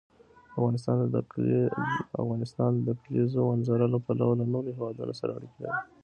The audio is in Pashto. افغانستان د د کلیزو منظره له پلوه له نورو هېوادونو سره اړیکې لري.